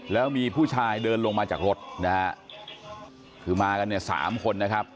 แล้วมีผู้ชายเดินลงมาจากรถนะฮะคือมากันเนี่ยสามคนนะครับ